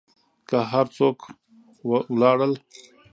که هر څوک و لاړل.